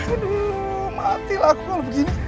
aku mati lah kalau begini